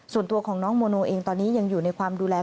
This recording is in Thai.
ส่วนตัวของน้องโมโนเองตอนนี้ยังอยู่ในความดูแล